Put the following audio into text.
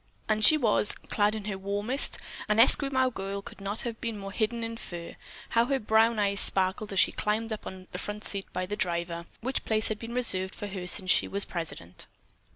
And she was, clad in her warmest; an Esquimaux girl could not have been more hidden in fur. How her brown eyes sparkled as she climbed up on the front seat by the driver, which place had been reserved for her since she was president.